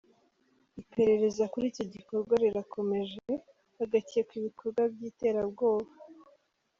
Iperereza kuri icyo gikorwa rirakomeje, hagakekwa ibikorwa by’iterabwoba.